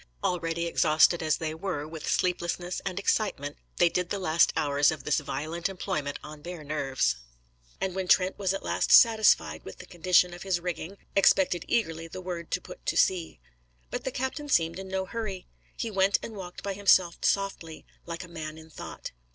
Already exhausted as they were with sleeplessness and excitement, they did the last hours of this violent employment on bare nerves; and when Trent was at last satisfied with the condition of his rigging, expected eagerly the word to put to sea. But the captain seemed in no hurry. He went and walked by himself softly, like a man in thought.